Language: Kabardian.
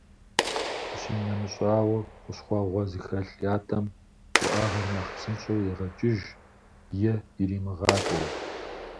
Къищынэмыщӏауэ, хущхъуэгъуэ зыхэлъ ятӏэм уӏэгъэр нэхъ псынщӏэу егъэкӏыж, е иримыгъакӏуэу.